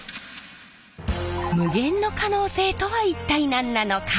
無限の可能性とは一体何なのか。